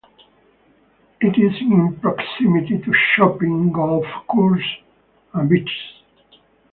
It is in proximity to shopping, golf courses, and beaches.